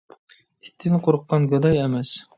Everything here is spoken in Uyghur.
ئىتتىن قورققان گاداي ئەمەس.